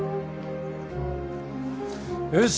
よし。